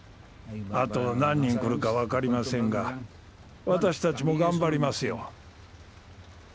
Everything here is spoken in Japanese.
あと何人来るか分かりませんが私たちも頑張りますよ。